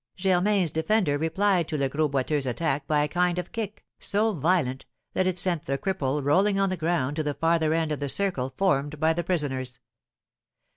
Germain's defender replied to Le Gros Boiteux's attack by a kind of kick, so violent that it sent the cripple rolling on the ground to the farther end of the circle formed by the prisoners.